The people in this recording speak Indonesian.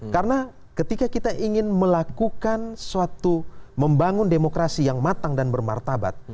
karena ketika kita ingin melakukan suatu membangun demokrasi yang matang dan bermartabat